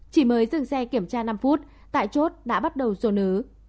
chỉ mới dừng xe kiểm tra năm phút tại chốt đã bắt đầu dồn ứ